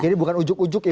jadi bukan ujuk ujuk ya